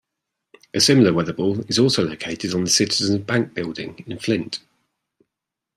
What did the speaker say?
A similar weatherball is also located on the Citizen's Bank building in Flint.